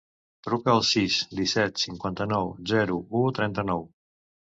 Truca al sis, disset, cinquanta-nou, zero, u, trenta-nou.